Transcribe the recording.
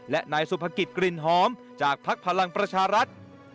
และนายสุภกิจกลิ่นหอมจากภักดิ์พลังประชารัฐ